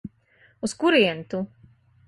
Uz kurieni tu?